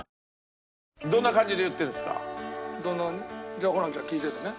じゃあホランちゃん聞いててね。